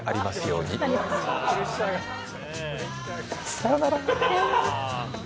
さよなら。